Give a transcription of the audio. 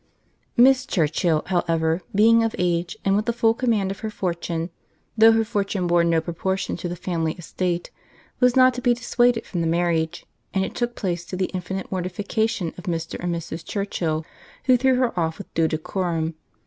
Miss Churchill, however, being of age, and with the full command of her fortune—though her fortune bore no proportion to the family estate—was not to be dissuaded from the marriage, and it took place, to the infinite mortification of Mr. and Mrs. Churchill, who threw her off with due decorum.